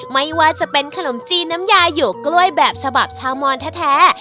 ไม่ว่าจะเป็นขนมจีนน้ำยาหยกกล้วยแบบฉบับชาวมอนแท้